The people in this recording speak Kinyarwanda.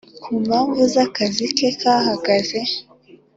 kumpamvu zakazi ke kahagaze